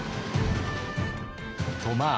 とまあ